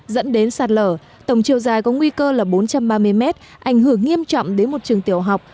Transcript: dẫn đến sạt lở tổng chiều dài có nguy cơ là bốn trăm ba mươi mét ảnh hưởng nghiêm trọng đến một trường tiểu học